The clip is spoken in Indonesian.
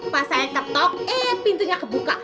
pas saya ketok eh pintunya kebuka